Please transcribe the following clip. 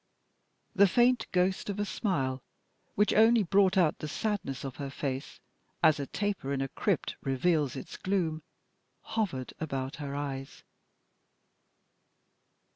The faint ghost of a smile, which only brought out the sadness of her face, as a taper in a crypt reveals its gloom, hovered about her eyes.